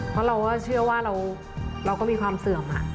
เพราะเราก็เชื่อว่าเราก็มีความเสื่อม